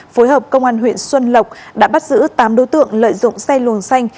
phối hợp công an huyện xuân lộc đã bắt giữ tám đối tượng lợi dụng xe luồng xanh